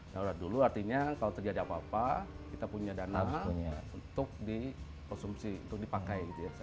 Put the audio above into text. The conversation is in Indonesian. darurat dulu artinya kalau terjadi apa apa kita punya dana untuk dikonsumsi untuk dipakai